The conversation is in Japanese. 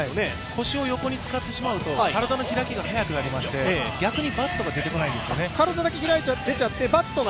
腰を横に使ってしまうと、体の開きが早くなりまして逆にバットが出てこないんですよね。